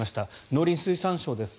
農林水産省です。